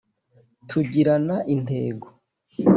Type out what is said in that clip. (tugirana intego)